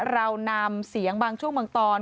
เรานำเสียงบางช่วงบางตอน